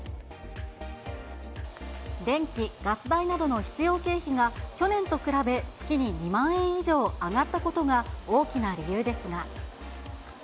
電気、ガス代などの必要経費が去年と比べ、月に２万円以上上がったことが大きな理由ですが。